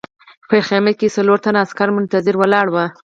په خیمه کې څلور تنه عسکر منتظر ولاړ وو